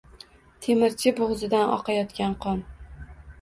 Temirchi bo’g’zidan oqayotgan qon…